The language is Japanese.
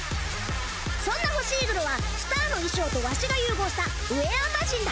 そんなホシーグルはスターの衣装とワシが融合した「ウェアマジン」だ！